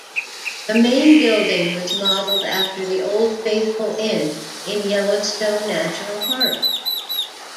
The main building was modeled after the Old Faithful Inn in Yellowstone National Park.